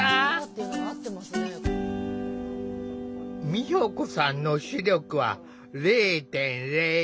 美保子さんの視力は０．０１。